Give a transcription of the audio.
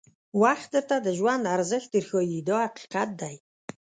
وخت درته د ژوند ارزښت در ښایي دا حقیقت دی.